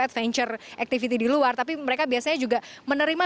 adventure activity di luar tapi mereka biasanya juga menerima